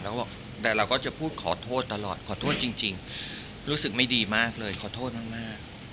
แล้วก็บอกแต่เราก็จะพูดขอโทษตลอดขอโทษจริงรู้สึกไม่ดีมากเลยขอโทษมาก